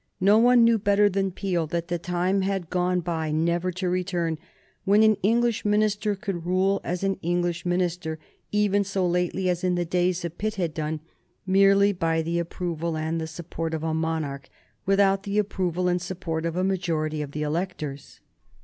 No one knew better than Peel that the time had gone by, never to return, when an English minister could rule as an English minister even so lately as in the days of Pitt had done, merely by the approval and the support of a monarch without the approval and support of a majority of the electors.